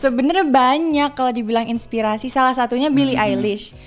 sebenernya banyak kalo dibilang inspirasi salah satunya billie eilish